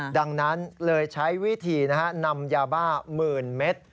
ดังนั้นเลยใช้วิธีนำยาบ้า๑๐๐๐เมตร